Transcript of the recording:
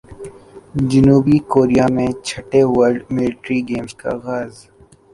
جنوبی کوریا میں چھٹے ورلڈ ملٹری گیمز کا اغاز